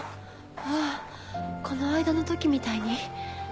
ああこの間の時みたいに？